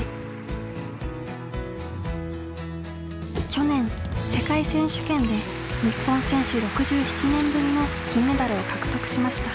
去年世界選手権で日本選手６７年ぶりの金メダルを獲得しました。